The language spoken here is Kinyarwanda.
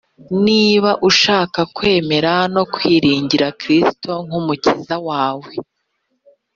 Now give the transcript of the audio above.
Niba ushaka kwemera no kwiringira Kristo nk'Umukiza wawe,